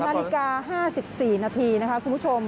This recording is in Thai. ๑๖นาฬิกา๕๔นาทีคุณผู้ชม